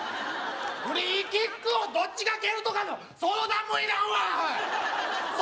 フリーキックをどっちが蹴るとかの相談もいらんわアホ！